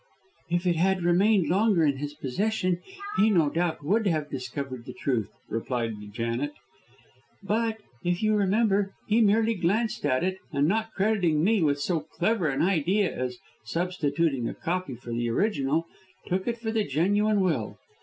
"If it had remained longer in his possession, he no doubt would have discovered the truth," replied Janet, "but, if you remember, he merely glanced at it, and not crediting me with so clever an idea as substituting a copy for the original, took it for the genuine will.